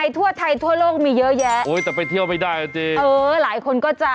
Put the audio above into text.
สวัสดีคุณชิสานะฮะสวัสดีคุณชิสานะฮะ